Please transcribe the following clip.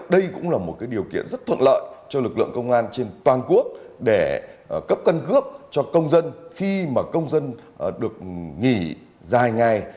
đây cũng là một điều kiện rất thuận lợi cho lực lượng công an trên toàn quốc để cấp căn cước cho công dân khi mà công dân được nghỉ dài ngày